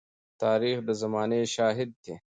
تاریخ د زمانې شاهد دی.